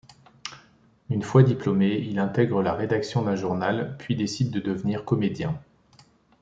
Une fois diplômé, il intègre la rédaction d'un journal, puis décide de devenir comédien.